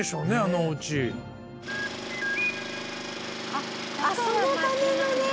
あっそのためのね。